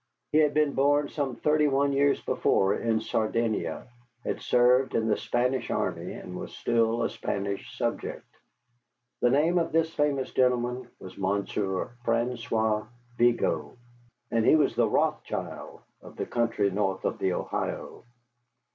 He had been born some thirty one years before in Sardinia, had served in the Spanish army, and was still a Spanish subject. The name of this famous gentleman was Monsieur François Vigo, and he was the Rothschild of the country north of the Ohio.